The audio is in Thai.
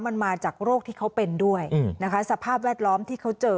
มันมาจากโรคที่เขาเป็นด้วยนะคะสภาพแวดล้อมที่เขาเจอ